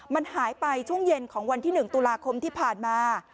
มันหายไปช่วงเย็นของวันที่๑ตุลาคมที่ผ่านมา